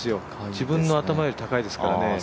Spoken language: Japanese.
自分の頭よりも高いですからね。